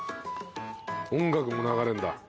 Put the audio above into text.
音楽も流れんだ。